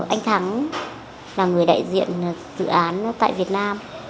anh thắng là người đại diện dự án tại việt nam